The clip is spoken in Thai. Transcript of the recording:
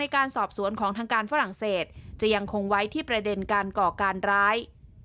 การสอบสวนของทางการฝรั่งเศสจะยังคงไว้ที่ประเด็นการก่อการร้าย